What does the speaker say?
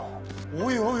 おいおい